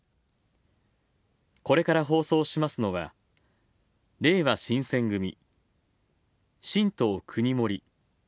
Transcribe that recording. これから放送しますのは、れいわ新選組新党くにもり